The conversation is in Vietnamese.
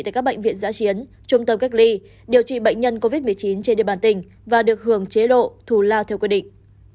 tại các bệnh viện giã chiến trung tâm cách ly điều trị bệnh nhân covid một mươi chín trên địa bàn tỉnh và được hưởng chế độ thù la theo quy định